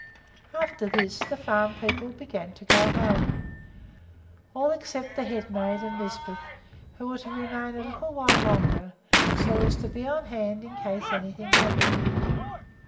After this the farm people began to go home, all except the head milkmaid and Lisbeth, who were to remain a while longer so as to be on hand in case anything happened.